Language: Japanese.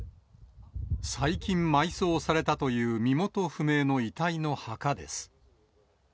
最近埋葬されたという身元不明の遺体の墓です。